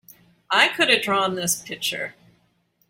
I could have drawn this picture!